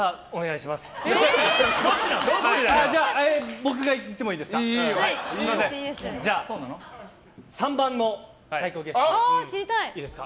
僕がいってもいいですか？